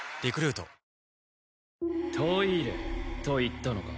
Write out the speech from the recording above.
トイレと言ったのか？